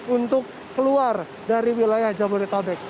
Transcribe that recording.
untuk keluar dari wilayah jabodetabek